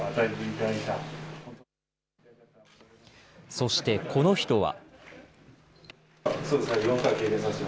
そしてこの人は。